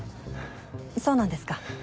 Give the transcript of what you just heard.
そうなんですか。